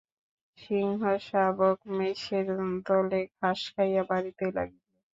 সিংহশাবক মেষের দলে ঘাস খাইয়া বাড়িতে লাগিল।